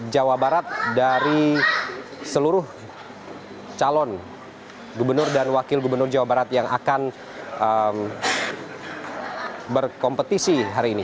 jawa barat dari seluruh calon gubernur dan wakil gubernur jawa barat yang akan berkompetisi hari ini